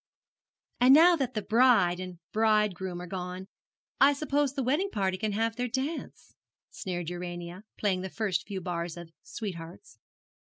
'And now that the bride and bridegroom are gone, I suppose the wedding party can have their dance,' sneered Urania, playing the first few bars of 'Sweethearts.'